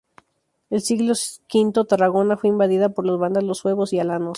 En siglo V Tarragona fue invadida por los vándalos, suevos, y alanos.